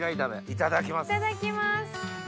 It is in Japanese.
いただきます。